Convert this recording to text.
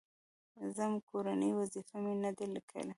_ځم، کورنۍ وظيفه مې نه ده ليکلې.